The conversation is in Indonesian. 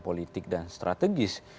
politik dan strategis